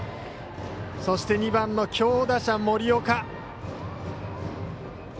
そして２番の強打者、森岡。